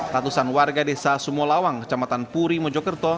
ratusan warga desa sumolawang kecamatan puri mojokerto